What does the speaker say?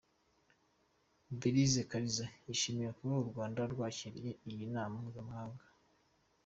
Belise Kaliza yishimiye kuba u Rwanda rwakiriye iyi nama mpuzamahanga.